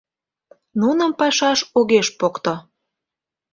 Нуным пашаш огеш покто.